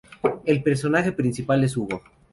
El personaje principal es Hugo.